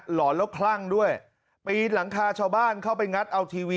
หอนแล้วคลั่งด้วยปีนหลังคาชาวบ้านเข้าไปงัดเอาทีวี